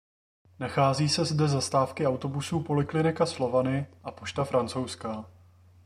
Nachází se zde zastávky autobusů "Poliklinika Slovany" a "Pošta Francouzská".